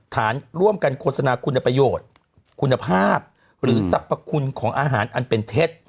ฐานร่วมกันโฆษณาคุณประโยชน์คุณภาพหรือสรรพคุณของอาหารอันเป็นเท็จ